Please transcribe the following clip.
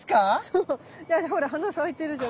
そうだってほら花咲いてるじゃん。